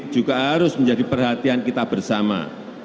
juga harus menjadi perhatian kita bersama